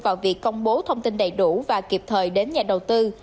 vào việc công bố thông tin đầy đủ và kịp thời đến nhà đầu tư